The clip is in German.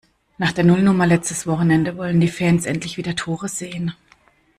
Nach der Nullnummer letztes Wochenende wollen die Fans endlich wieder Tore sehen.